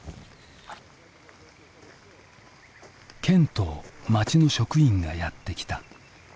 県と町の職員がやって来た。